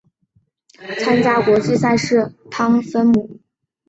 汤普森也曾代表过加拿大参与国际赛事。